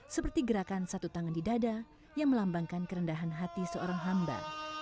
seperti gerakan satu tangan di dada yang melambangkan kerendahan hati seorang hamba